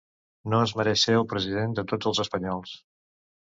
No es mereix ser el president de tots els espanyols.